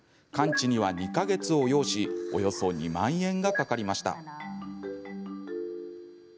完治には２か月を要しおよそ２万円がかかりました。